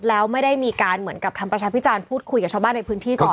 แล้วไม่ได้มีการเหมือนกับทำประชาพิจารณ์พูดคุยกับชาวบ้านในพื้นที่ก่อน